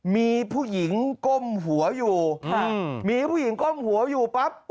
มีผู้หญิงก้มหัวอยู่มีผู้หญิงก้มหัวอยู่ปั๊บ